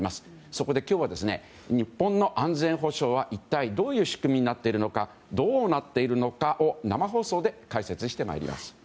そこで今日は日本の安全保障は一体どういう仕組みになっているのかどうなっているのかを生放送で解説してまいります。